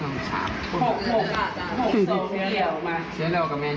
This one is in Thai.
หวังว่าจะบุกไปแล้วกัน